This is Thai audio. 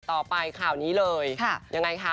ต่อไปข่าวนี้เลยยังไงคะ